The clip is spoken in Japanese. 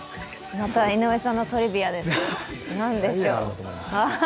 また井上さんのトリビアです、何でしょう。